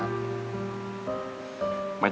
อยากเรียน